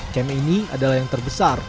camp ini adalah yang terbesar